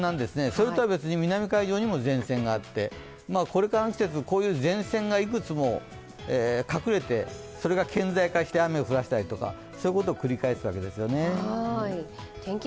それとは別に南海上にも前線があってこれからの季節、こういう前線がいくつも隠れて、それが顕在化して雨を降らしたりとか、そういうことを繰り返すんですね。